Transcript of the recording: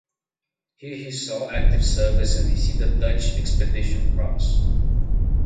Here he saw active service and received the Dutch Expedition Cross.